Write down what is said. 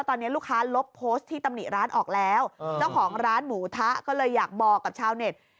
ตอนนี้ลูกค้าลบโพสต์ที่ตำหนิร้านออกแล้วเจ้าของร้านหมูทะก็เลยอยากบอกกับชาวเน็ต